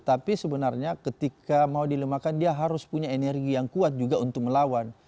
tapi sebenarnya ketika mau dilemahkan dia harus punya energi yang kuat juga untuk melawan